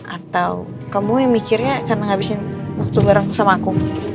atau kamu yang mikirnya karena ngabisin waktu bareng sama aku